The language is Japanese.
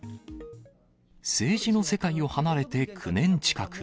政治の世界を離れて９年近く。